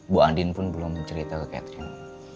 bu andin pun belum cerita ke catherine